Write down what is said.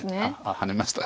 ハネました。